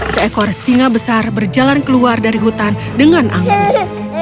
seekor singa besar berjalan keluar dari hutan dengan anggun